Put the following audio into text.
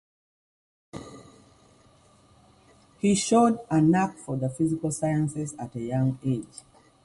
He showed a knack for the physical sciences at a young age.